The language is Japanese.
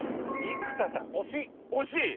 「生田さん惜しい」！